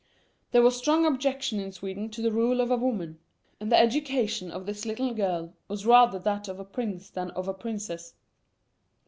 There was strong objection in Sweden to the rule of a woman; and the education of this little girl was rather that of a prince than of a princess.